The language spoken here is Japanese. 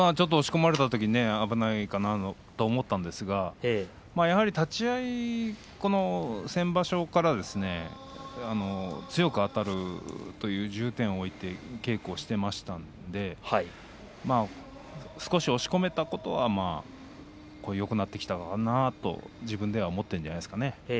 押し込まれたとき危ないかなと思ったんですが立ち合い、この先場所からですね強くあたるという重点を置いて稽古をしていましたので少し押し込めたことはよくなってきたかなと自分では思っているんじゃないですかね。